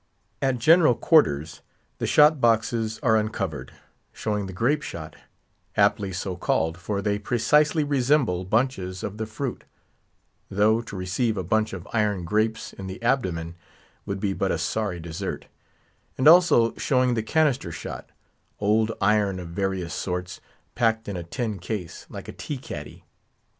At general quarters the shot boxes are uncovered; showing the grape shot—aptly so called, for they precisely resemble bunches of the fruit; though, to receive a bunch of iron grapes in the abdomen would be but a sorry dessert; and also showing the canister shot—old iron of various sorts, packed in a tin case, like a tea caddy.